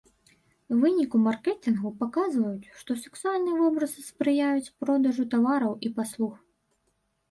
Вынікі маркетынгу паказваюць, што сексуальныя вобразы спрыяюць продажу тавараў і паслуг.